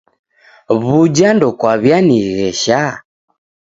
W'uja ndokwaw'ianighesha?